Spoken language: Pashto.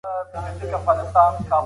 يو زده کوونکی په پښتو ژبي کتاب لولي.